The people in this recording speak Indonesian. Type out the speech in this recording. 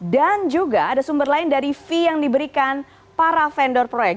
dan juga ada sumber lain dari fee yang diberikan para vendor proyek